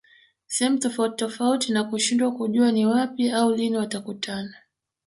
sehemu tofauti tofauti na kushindwa kujua ni wapi au lini watakutana